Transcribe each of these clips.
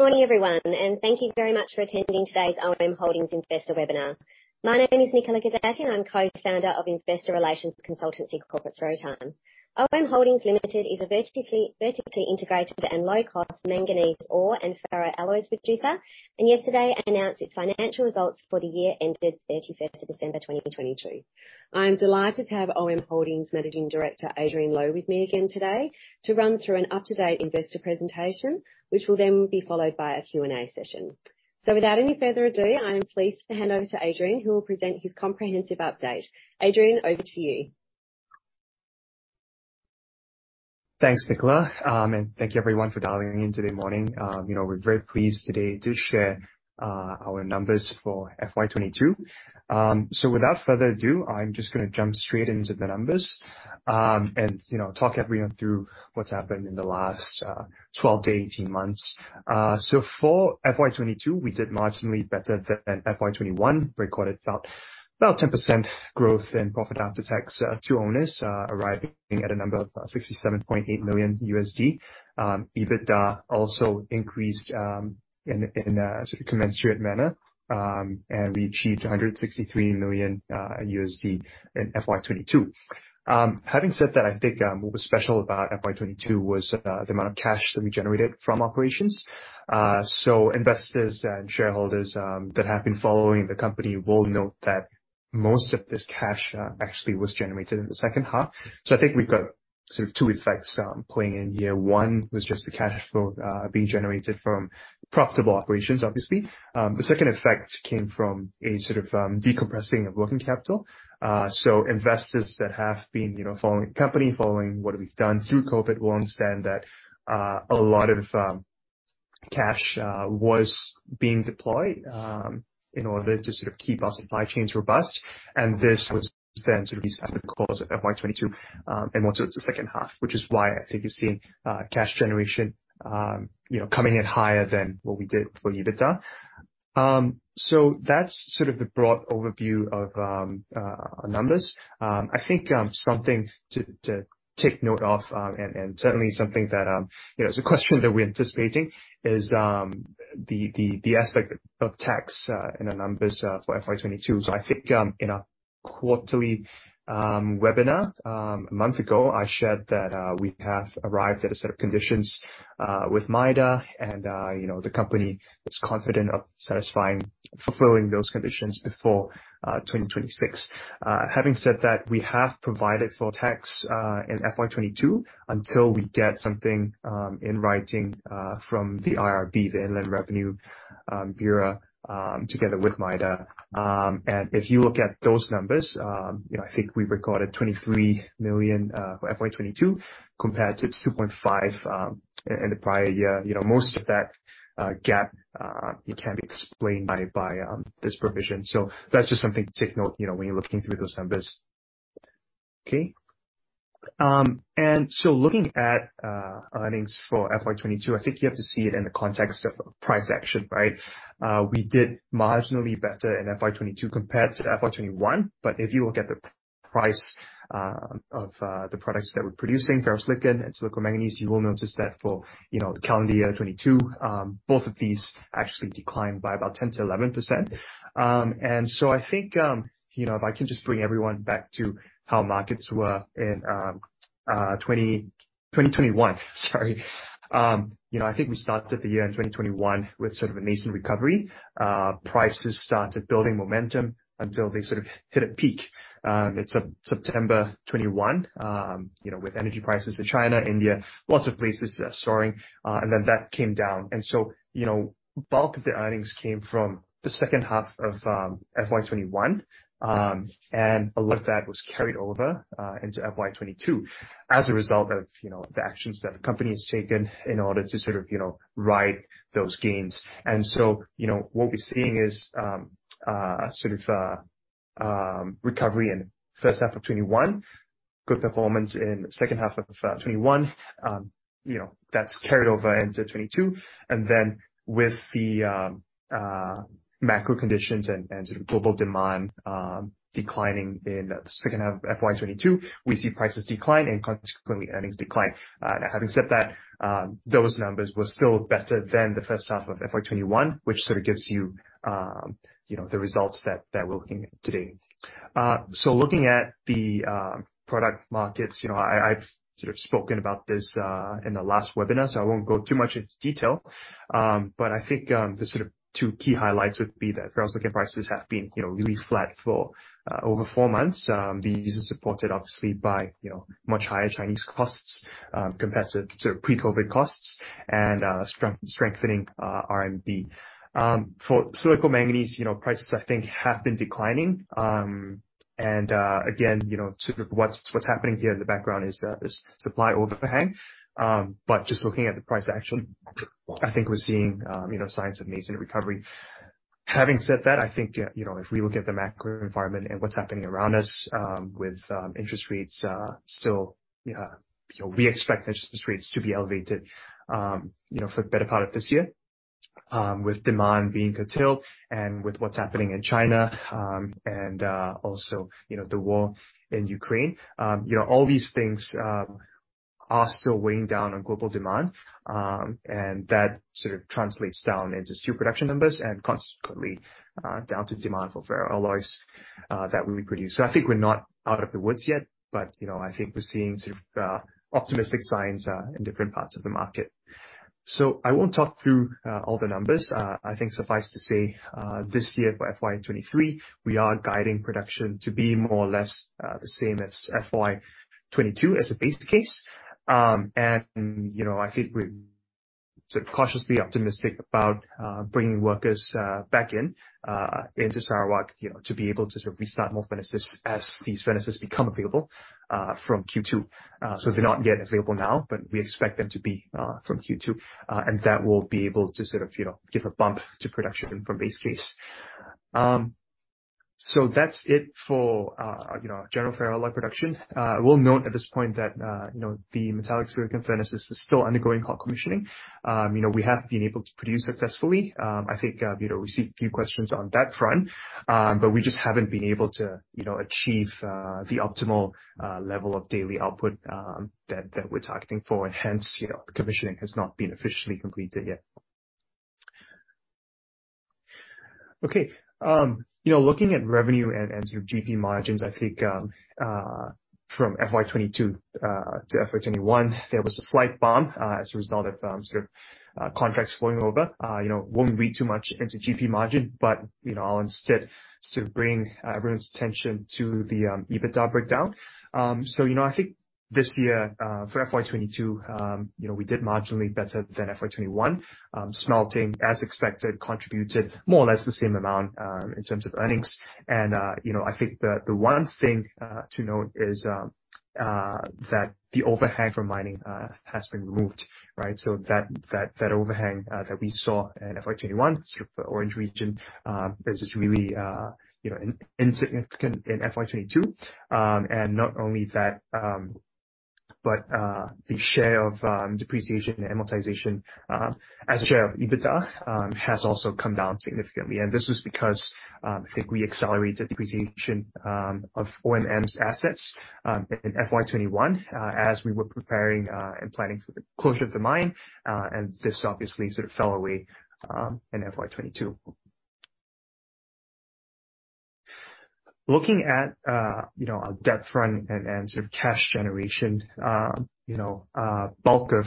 Good morning, everyone. Thank you very much for attending today's OM Holdings investor webinar. My name is Nicola Gazzetti, and I'm co-founder of investor relations consultancy Corporate Storytime. OM Holdings Limited is a vertically integrated and low-cost manganese ore and ferroalloys producer, and yesterday announced its financial results for the year ended 31st of December, 2022. I am delighted to have OM Holdings Managing Director Adrian Low with me again today to run through an up-to-date investor presentation, which will then be followed by a Q&A session. Without any further ado, I am pleased to hand over to Adrian who will present his comprehensive update. Adrian, over to you. Thanks, Nicola. Thank you everyone for dialing in today morning. You know, we're very pleased today to share our numbers for FY 2022. Without further ado, I'm just gonna jump straight into the numbers, you know, talk everyone through what's happened in the last 12 months-18 months. For FY 2022, we did marginally better than FY 2021. Recorded about 10% growth in profit after tax to owners, arriving at a number of $67.8 million. EBITDA also increased in a commensurate manner, we achieved $163 million in FY 2022. Having said that, I think what was special about FY 2022 was the amount of cash that we generated from operations. Investors and shareholders, that have been following the company will note that most of this cash, actually was generated in the second half. I think we've got sort of two effects, playing in here. One was just the cash flow, being generated from profitable operations obviously. The second effect came from a sort of, decompressing of working capital. Investors that have been, you know, following the company, following what we've done through COVID will understand that, a lot of, cash, was being deployed, in order to sort of keep our supply chains robust. This was then sort of resolved in FY 2022, and more so it's the second half, which is why I think you're seeing, cash generation, you know, coming in higher than what we did for EBITDA. So that's sort of the broad overview of our numbers. I think something to take note of, and certainly something that, you know, it's a question that we're anticipating is the aspect of tax in the numbers for FY 2022. I think in our quarterly webinar a month ago, I shared that we have arrived at a set of conditions with MIDA and, you know, the company is confident of satisfying fulfilling those conditions before 2026. Having said that, we have provided for tax in FY 2022 until we get something in writing from the IRB, the Inland Revenue Bureau, together with MIDA. If you look at those numbers, you know, I think we've recorded $23 million for FY 2022 compared to $2.5 in the prior year. You know, most of that gap can be explained by this provision. That's just something to take note, you know, when you're looking through those numbers. Okay. Looking at earnings for FY 2022, I think you have to see it in the context of price action, right? We did marginally better in FY 2022 compared to FY 2021, but if you look at the price of the products that we're producing, Ferrosilicon and Silicomanganese, you will notice that for, you know, the calendar year 2022, both of these actually declined by about 10%-11%. I think, you know, if I can just bring everyone back to how markets were in 2021, sorry. You know, I think we started the year in 2021 with sort of a nascent recovery. Prices started building momentum until they sort of hit a peak, mid-September 21, you know, with energy prices to China, India, lots of places, soaring. That came down. You know, bulk of the earnings came from the second half of FY 2021. A lot of that was carried over into FY 2022 as a result of, you know, the actions that the company has taken in order to sort of, you know, ride those gains. You know, what we're seeing is, sort of, recovery in first half of 2021, good performance in second half of 2021. you know, that's carried over into 2022. then with the macro conditions and, sort of global demand, declining in the second half of FY 2022, we see prices decline and consequently earnings decline. now having said that, those numbers were still better than the first half of FY 2021, which sort of gives you know, the results that we're looking at today. so looking at the product markets, you know, I've sort of spoken about this in the last webinar, so I won't go too much into detail. I think the sort of two key highlights would be that Ferrosilicon prices have been, you know, really flat for over four months. These are supported obviously by, you know, much higher Chinese costs compared to sort of pre-COVID costs and strengthening RMB. For Silicomanganese, you know, prices I think have been declining. Again, you know, sort of what's happening here in the background is supply overhang. Just looking at the price action, I think we're seeing, you know, signs of nascent recovery. Having said that, I think, you know, if we look at the macro environment and what's happening around us, with interest rates still, you know, we expect interest rates to be elevated, you know, for the better part of this year. With demand being curtailed and with what's happening in China, also, you know, the war in Ukraine, you know, all these things are still weighing down on global demand. That sort of translates down into steel production numbers and consequently, down to demand for ferroalloys that we produce. I think we're not out of the woods yet, but, you know, I think we're seeing sort of optimistic signs in different parts of the market. I won't talk through all the numbers. I think suffice to say, this year for FY 2023, we are guiding production to be more or less the same as FY 2022 as a base case. You know, I think we're sort of cautiously optimistic about bringing workers back in into Sarawak, you know, to be able to sort of restart more furnaces as these furnaces become available from Q2. They're not yet available now, but we expect them to be from Q2. That will be able to sort of, you know, give a bump to production from base case. That's it for, you know, general ferroalloy production. I will note at this point that, you know, the metallic silicon furnaces are still undergoing hot commissioning. You know, we have been able to produce successfully. I think, you know, we see a few questions on that front, but we just haven't been able to, you know, achieve the optimal level of daily output that we're targeting for, and hence, you know, the commissioning has not been officially completed yet. Okay. You know, looking at revenue and sort of GP margins, I think, from FY 2022-FY 2021, there was a slight bump as a result of sort of contracts flowing over. You know, won't read too much into GP margin, but, you know, I'll instead sort of bring everyone's attention to the EBITDA breakdown. You know, I think this year, for FY 2022, you know, we did marginally better than FY 2021. Smelting, as expected, contributed more or less the same amount in terms of earnings. You know, I think the one thing to note is that the overhang from mining has been removed, right? That overhang that we saw in FY 2021, sort of the orange region, this is really, you know, insignificant in FY 2022. Not only that, but the share of depreciation and amortization as a share of EBITDA has also come down significantly. This was because, I think we accelerated depreciation of OMM's assets in FY 2021 as we were preparing and planning for the closure of the mine, and this obviously sort of fell away in FY 2022. Looking at, you know, our debt front end and sort of cash generation, you know, bulk of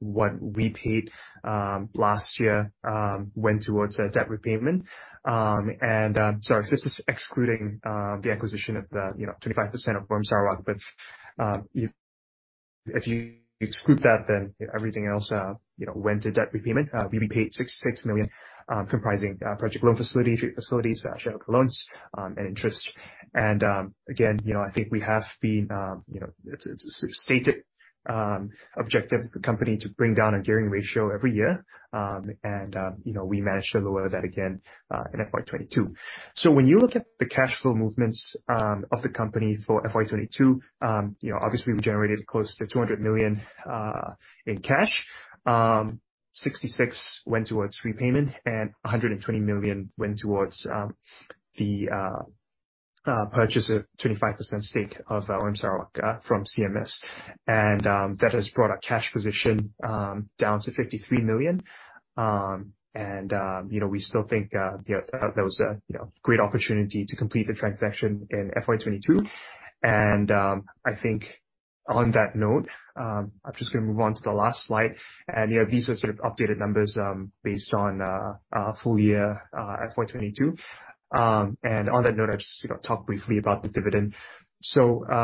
what we paid last year went towards a debt repayment. Sorry, this is excluding the acquisition of the, you know, 25% of OM Sarawak. If you exclude that, then everything else, you know, went to debt repayment. We paid $6 million, comprising project loan facilities, shareholder loans, and interest. Again, you know, I think we have been, you know, it's a stated objective for company to bring down a gearing ratio every year. You know, we managed to lower that again in FY 2022. When you look at the cash flow movements of the company for FY 2022, you know, obviously, we generated close to $200 million in cash. $66 million went towards repayment and $120 million went towards the purchase of 25% stake of OM Sarawak from CMS. That has brought our cash position down to $53 million. You know, we still think, you know, that was a, you know, great opportunity to complete the transaction in FY 2022. I think on that note, I'm just gonna move on to the last slide. You know, these are sort of updated numbers based on full year FY 2022. On that note, I'll just, you know, talk briefly about the dividend.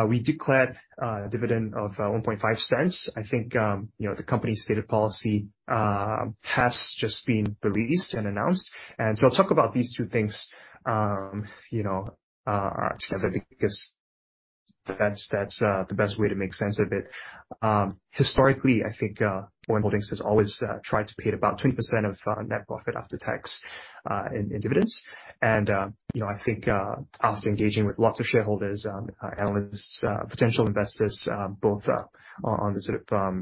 We declared a dividend of $0.015. I think, you know, the company's stated policy has just been released and announced. I'll talk about these two things, you know, together because that's the best way to make sense of it. Historically, I think, OM Holdings has always tried to pay about 20% of Net Profit After Tax in dividends. I think, you know, after engaging with lots of shareholders, analysts, potential investors, both on the sort of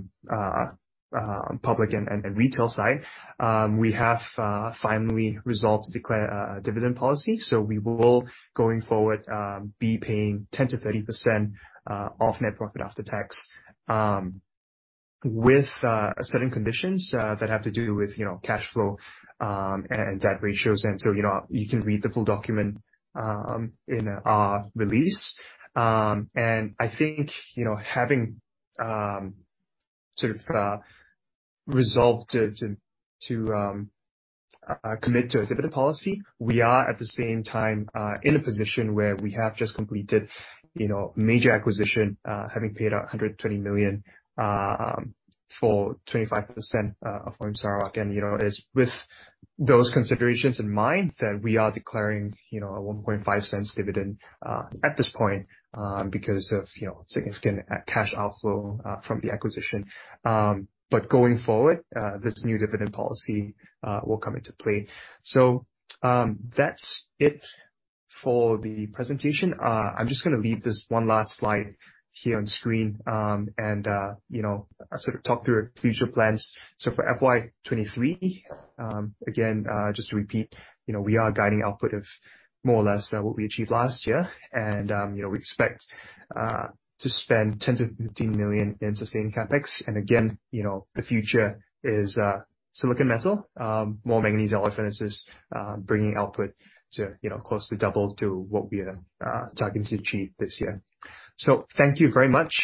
public and retail side, we have finally resolved to declare a dividend policy. We will, going forward, be paying 10%-30% of Net Profit After Tax with certain conditions that have to do with, you know, cash flow and debt ratios. You know, you can read the full document in our release. I think, you know, having sort of resolved to to to commit to a dividend policy, we are at the same time in a position where we have just completed, you know, major acquisition, having paid out $120 million for 25% of OM Sarawak. You know, it is with those considerations in mind that we are declaring, you know, a $0.015 dividend at this point because of, you know, significant cash outflow from the acquisition. Going forward, this new dividend policy will come into play. That's it. For the presentation, I'm just gonna leave this one last slide here on screen, and, you know, sort of talk through future plans. For FY 2023, again, just to repeat, you know, we are guiding output of more or less what we achieved last year. You know, we expect to spend $10 million-$15 million in sustained CapEx. Again, you know, the future is silicon metal, more manganese alloys, bringing output to, you know, close to double to what we are targeting to achieve this year. Thank you very much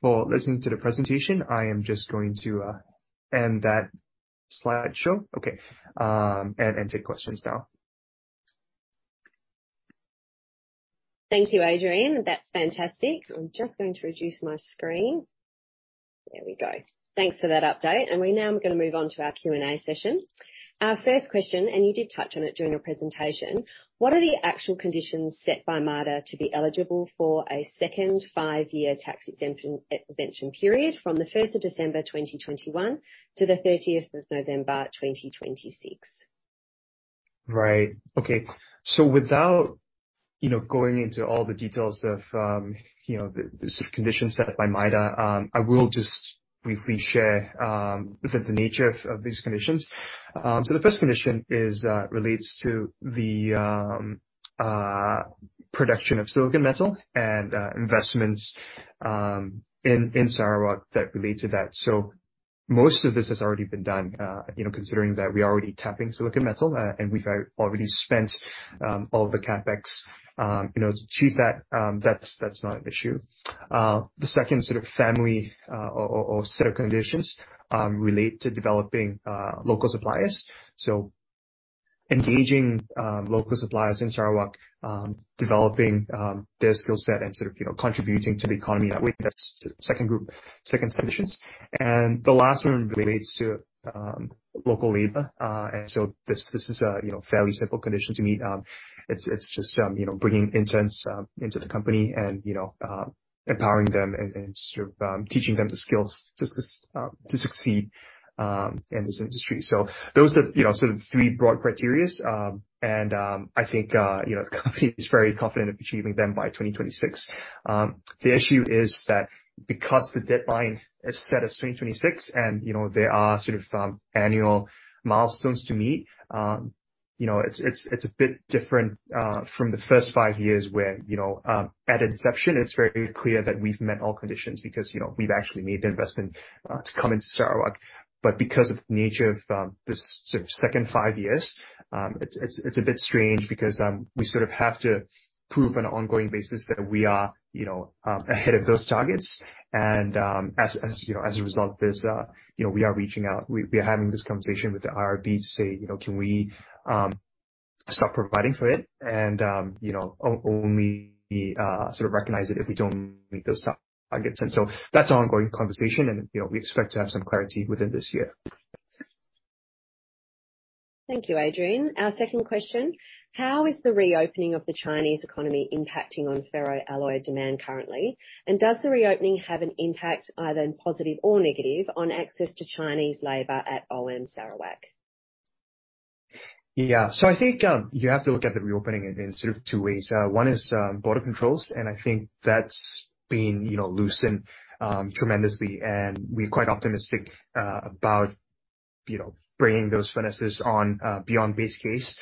for listening to the presentation. I am just going to end that slideshow. Okay. And take questions now. Thank you, Adrian. That's fantastic. I'm just going to reduce my screen. There we go. Thanks for that update. We now are gonna move on to our Q&A session. Our first question, and you did touch on it during your presentation, what are the actual conditions set by MIDA to be eligible for a second five-year tax exemption period from the first of December 2021 to the 30th of November 2026? Okay. Without, you know, going into all the details of, you know, the conditions set by MIDA, I will just briefly share the nature of these conditions. The 1st condition relates to the production of Silicon Metal and investments in Sarawak that relate to that. Most of this has already been done, you know, considering that we are already tapping Silicon Metal, and we've already spent all the CapEx, you know, to achieve that's not an issue. The 2nd sort of family or set of conditions relate to developing local suppliers. Engaging local suppliers in Sarawak, developing their skill set and sort of, you know, contributing to the economy that way. That's the second group, second conditions. The last one relates to local labor. This is a, you know, fairly simple condition to meet. It's just, you know, bringing interns into the company and, you know, empowering them and sort of, teaching them the skills to success, to succeed, in this industry. So those are, you know, sort of three broad criterias. I think, you know, the company is very confident of achieving them by 2026. The issue is that because the deadline is set as 2026 and, you know, there are sort of, annual milestones to meet, you know, it's a bit different from the first five years where, you know, at inception it's very clear that we've met all conditions because, you know, we've actually made the investment to come into Sarawak. Because of the nature of, this sort of second five years, it's a bit strange because, we sort of have to prove on an ongoing basis that we are, you know, ahead of those targets. As, you know, as a result of this, you know, we are reaching out. We are having this conversation with the IRB to say, you know, can we start providing for it and, you know, only sort of recognize it if we don't meet those targets. That's an ongoing conversation and, you know, we expect to have some clarity within this year. Thank you, Adrian. Our second question, how is the reopening of the Chinese economy impacting on ferroalloy demand currently? Does the reopening have an impact either in positive or negative on access to Chinese labor at OM Sarawak? Yeah. I think you have to look at the reopening in sort of two ways. One is border controls, I think that's been, you know, loosened tremendously. We're quite optimistic about, you know, bringing those furnaces on beyond base case.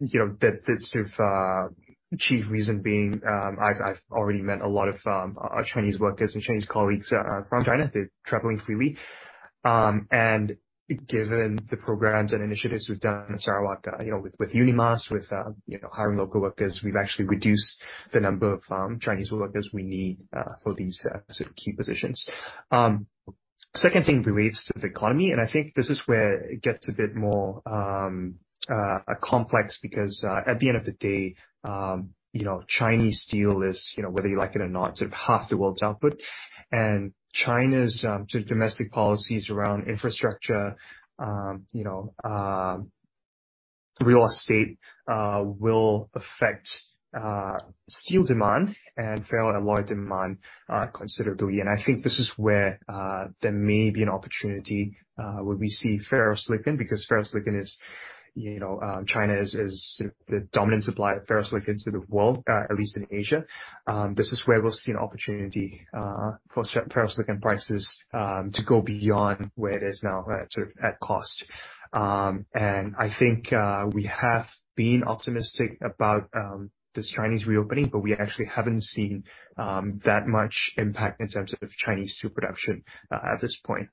You know, the sort of chief reason being, I've already met a lot of Chinese workers and Chinese colleagues from China. They're traveling freely. Given the programs and initiatives we've done in Sarawak, you know, with UNIMAS, with, you know, hiring local workers, we've actually reduced the number of Chinese workers we need for these sort of key positions. Second thing relates to the economy, I think this is where it gets a bit more complex because at the end of the day, you know, Chinese steel is, you know, whether you like it or not, sort of half the world's output. China's sort of domestic policies around infrastructure, you know, real estate will affect steel demand and ferroalloy demand considerably. I think this is where there may be an opportunity where we see Ferrosilicon, because Ferrosilicon is, you know, China is the dominant supplier of Ferrosilicon to the world, at least in Asia. This is where we'll see an opportunity for Ferrosilicon prices to go beyond where it is now sort of at cost. I think, we have been optimistic about, this Chinese reopening, but we actually haven't seen, that much impact in terms of Chinese steel production at this point.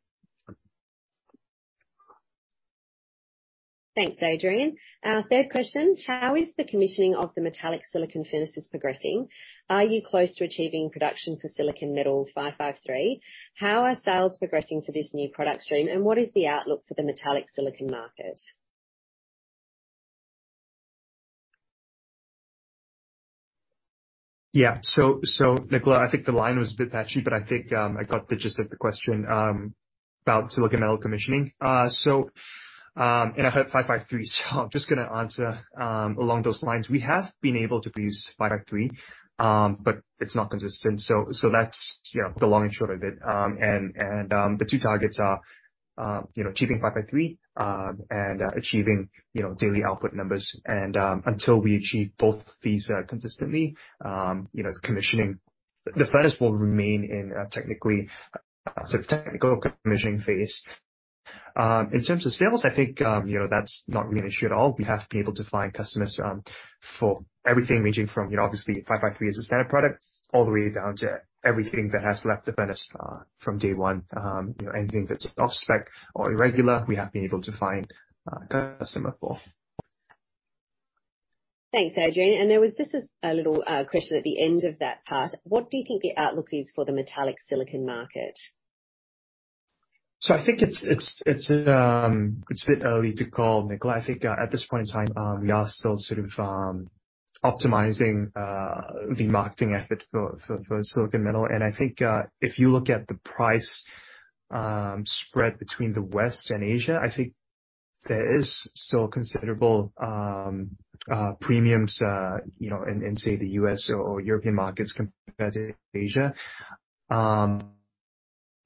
Thanks, Adrian. Our third question, how is the commissioning of the metallic silicon furnaces progressing? Are you close to achieving production for Silicon Metal 553? How are sales progressing for this new product stream? What is the outlook for the metallic silicon market? Nicola, I think the line was a bit patchy, but I think I got the gist of the question about Silicon Metal commissioning. And I heard 553, so I'm just gonna answer along those lines. We have been able to produce 553, but it's not consistent. That's, you know, the long and short of it. The two targets are, you know, achieving 553, and achieving, you know, daily output numbers. Until we achieve both these consistently, you know, The furnace will remain in technically. Technical commissioning phase. In terms of sales, I think, you know, that's not really an issue at all. We have been able to find customers, for everything ranging from, you know, obviously 553 as a standard product, all the way down to everything that has left the furnace, from day one. You know, anything that's off-spec or irregular, we have been able to find a customer for. Thanks, Adrian. There was just a little question at the end of that part. What do you think the outlook is for the metallic silicon market? I think it's a bit early to call, Nicola. I think at this point in time, we are still sort of optimizing the marketing effort for silicon metal. I think if you look at the price spread between the West and Asia, I think there is still considerable premiums, you know, in say the U.S. or European markets compared to Asia.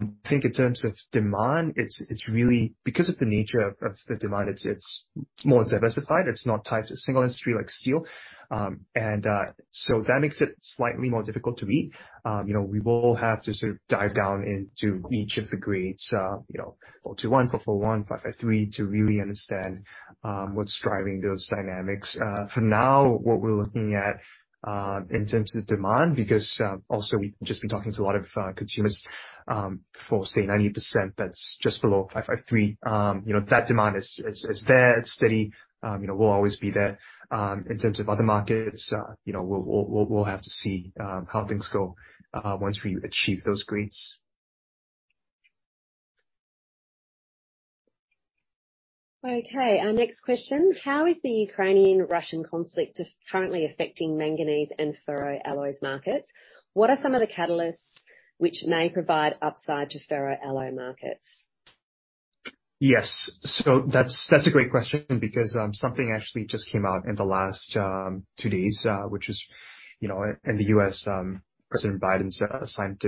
I think in terms of demand, it's really because of the nature of the demand, it's more diversified. It's not tied to a single industry like steel. That makes it slightly more difficult to read. You know, we will have to sort of dive down into each of the grades, you know, 421, 441, 553, to really understand what's driving those dynamics. For now, what we're looking at in terms of demand, because also we've just been talking to a lot of consumers, for, say, 90%, that's just below 553. You know, that demand is there, it's steady. You know, will always be there. In terms of other markets, you know, we'll have to see how things go once we achieve those grades. Okay. Our next question, how is the Ukrainian-Russian conflict currently affecting manganese and ferroalloys markets? What are some of the catalysts which may provide upside to ferroalloys markets? Yes. That's a great question because something actually just came out in the last two days, which is, you know, in the U.S., President Biden signed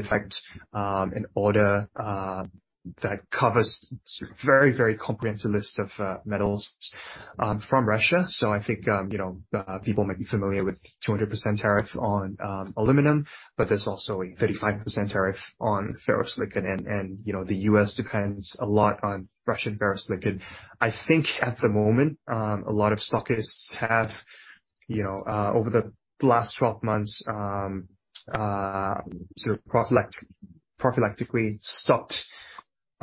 an order that covers very, very comprehensive list of metals from Russia. I think, you know, people might be familiar with 200% tariff on aluminum, but there's also a 35% tariff on ferrosilicon and, you know, the U.S. depends a lot on Russian ferrosilicon. I think at the moment, a lot of stockists have, you know, over the last 12 months, sort of prophylactically stopped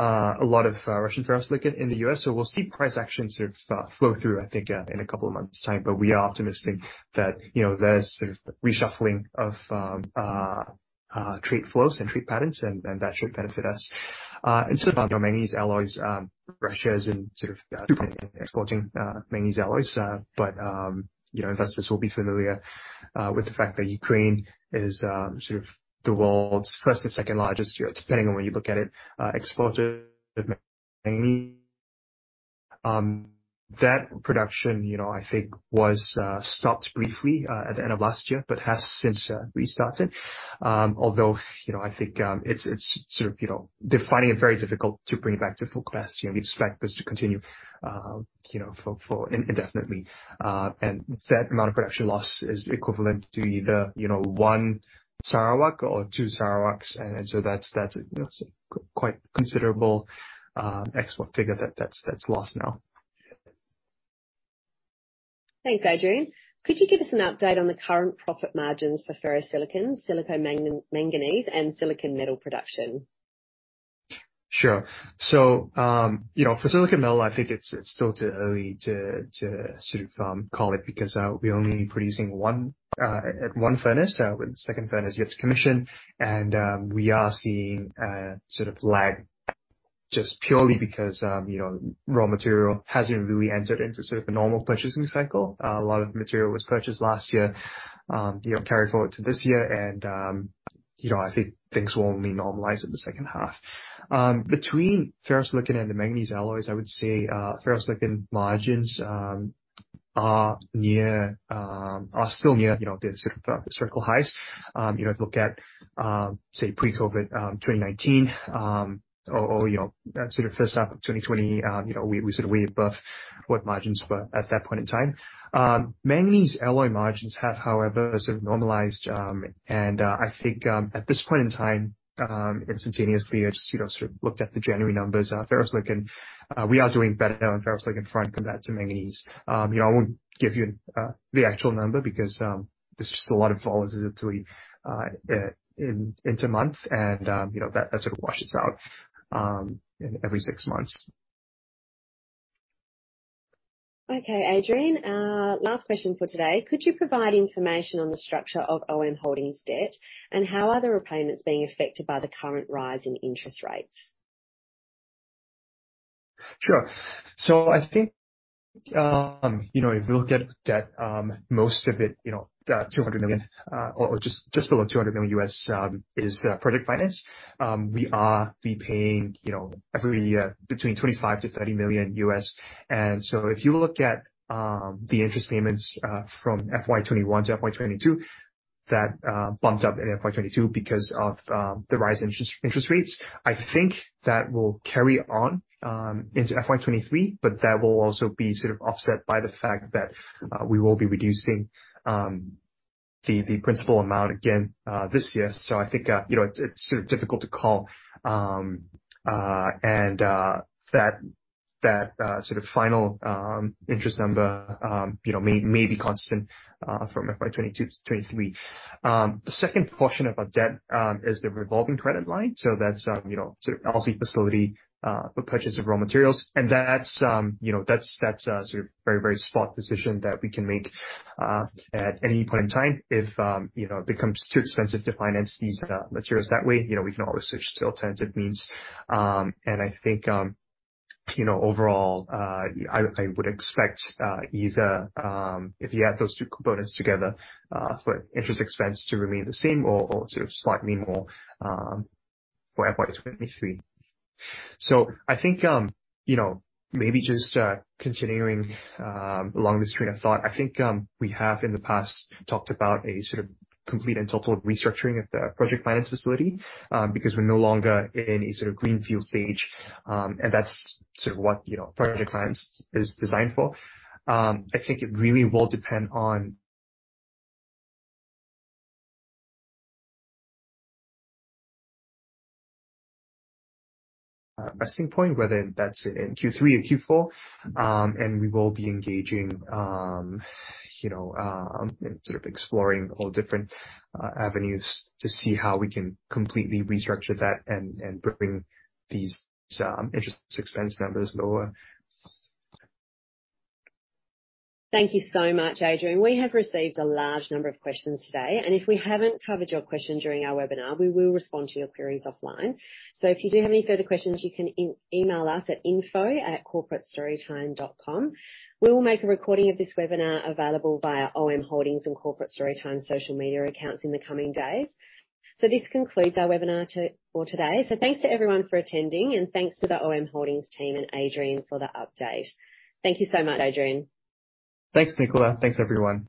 a lot of Russian ferrosilicon in the U.S. We'll see price action sort of flow through, I think, in a couple of months' time, but we are optimistic that, you know, there's sort of reshuffling of trade flows and trade patterns and that should benefit us. In sort of manganese alloys, Russia's in sort of exporting manganese alloys. Investors will be familiar with the fact that Ukraine is sort of the world's first and second largest, you know, depending on where you look at it, exporter of manganese. That production, you know, I think was stopped briefly at the end of last year, but has since restarted. Although, you know, I think, it's sort of, you know, they're finding it very difficult to bring it back to full capacity, and we expect this to continue, you know, for indefinitely. That amount of production loss is equivalent to either, you know, one Sarawak or two Sarawaks. That's, you know, quite considerable export figure that's lost now. Thanks, Adrian. Could you give us an update on the current profit margins for Ferrosilicon, Silicomanganese and Silicon Metal production? Sure. You know, for Silicon Metal, I think it's still too early to sort of call it because we're only producing one at one furnace. When the second furnace gets commissioned, we are seeing a sort of lag just purely because, you know, raw material hasn't really entered into sort of a normal purchasing cycle. A lot of material was purchased last year, you know, carried forward to this year. I think things will only normalize in the second half. Between Ferrosilicon and the manganese alloys, I would say Ferrosilicon margins are near are still near, you know, the cycle highs. You know, if you look at, say pre-COVID, 2019, or, you know, sort of first half of 2020, you know, we're sort of way above what margins were at that point in time. Manganese alloy margins have, however, sort of normalized, and I think at this point in time, instantaneously, I just, you know, sort of looked at the January numbers, Ferrosilicon, we are doing better now in Ferrosilicon front compared to manganese. You know, I won't give you the actual number because there's just a lot of volatility in intermonth and, you know, that sort of washes out in every six months. Okay, Adrian, last question for today. Could you provide information on the structure of OM Holdings' debt, and how are the repayments being affected by the current rise in interest rates? Sure. I think, you know, if you look at debt, most of it, you know, that $200 million, or just below $200 million, is project finance. We are repaying, you know, every year between $25 million-$30 million. If you look at the interest payments from FY 2021-FY 2022, that bumped up in FY 2022 because of the rise in interest rates. I think that will carry on into FY 2023, but that will also be sort of offset by the fact that we will be reducing the principal amount again this year. I think, you know, it's sort of difficult to call, and that, sort of final, interest number, you know, may be constant, from FY 2022-FY 2023. The second portion of our debt, is the revolving credit line. That's, you know, a sort of very, very spot decision that we can make, at any point in time. If, you know, it becomes too expensive to finance these, materials that way, you know, we can always switch to alternative means. And I think, you know, overall, I would expect, either, if you add those two components together, for interest expense to remain the same or sort of slightly more, for FY 2023. I think, you know, maybe just, continuing, along this train of thought, I think, we have in the past talked about a sort of complete and total restructuring of the project finance facility, because we're no longer in a sort of green field stage, and that's sort of what, you know, project finance is designed for. I think it really will depend on... resting point, whether that's in Q3 or Q4. We will be engaging, you know, sort of exploring all different avenues to see how we can completely restructure that and bring these interest expense numbers lower. Thank you so much, Adrian. We have received a large number of questions today, and if we haven't covered your question during our webinar, we will respond to your queries offline. If you do have any further questions, you can e-email us at info@corporatestorytime.com. We will make a recording of this webinar available via OM Holdings and Corporate Storytime social media accounts in the coming days. This concludes our webinar for today. Thanks to everyone for attending and thanks to the OM Holdings team and Adrian for the update. Thank you so much, Adrian. Thanks, Nicola. Thanks, everyone.